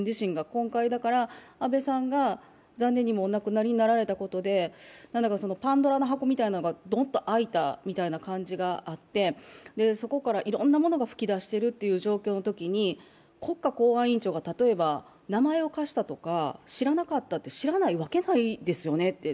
今回、安倍さんが残念にもお亡くなりになられたことで何だかパンドラの箱がドンと開いた感じがあってそこからいろんなものが噴き出している状況のときに国家公安委員長が名前を貸したとか知らなかったって、知らないわけないですよねと。